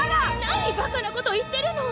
何ばかなこと言ってるの！